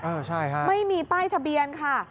เออใช่ค่ะไม่มีป้ายทะเบียนค่ะ